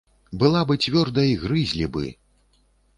Была бы цвёрдай, грызлі бы!